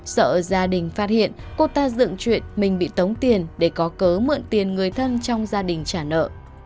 sợ gia đình phát hiện cô ta dựng chuyện mình bị tống tiền để có cớ mượn tiền người thân trong gia đình trả nợ